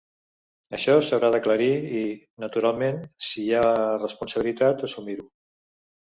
Això s’haurà d’aclarir i, naturalment, si hi ha responsabilitat, assumir-ho.